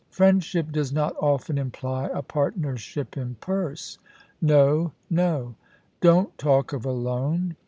' Friendship does not often imply a partnership in purse. No— no. Don't talk of a loan.